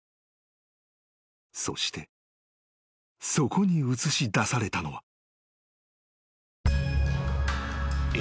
［そしてそこに映し出されたのは］